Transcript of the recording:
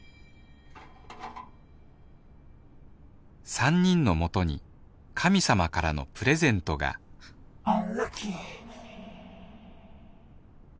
３人の元に神様からのプレゼントがあっ。